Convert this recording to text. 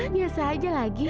biasa aja lagi